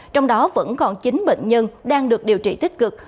trong đó vẫn còn chín bệnh nhân đang được điều trị tích cực